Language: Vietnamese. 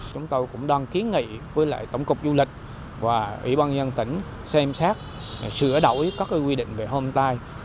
chúng tôi cũng đoàn ký nghị với tổng cục du lịch và ủy ban nhân tỉnh xem xét sửa đổi các quy định về homestay